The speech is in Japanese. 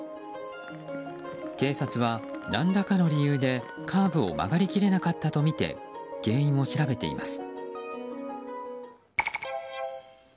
警察は、何らかの理由でカーブを曲がり切れなかったとみて原因を調べています。